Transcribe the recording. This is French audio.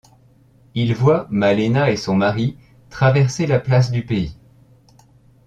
Il voit Malèna et son mari traverser la place du pays.